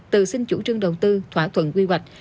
từ xin chủ trương đầu tư thỏa thuận quy hoạch